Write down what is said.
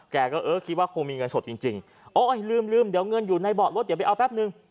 แกก็เออคิดว่าคงมีเงินสดจริงจริงโอ๊ยลืมลืมเดี๋ยวเงินอยู่ในเบาะรถเดี๋ยวไปเอาแป๊บนึง